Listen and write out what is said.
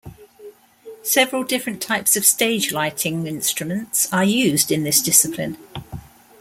Several different types of stage lighting instruments are used in this discipline.